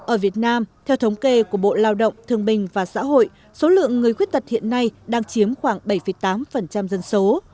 ở việt nam theo thống kê của bộ lao động thương bình và xã hội số lượng người khuyết tật hiện nay đang chiếm khoảng bảy tám dân số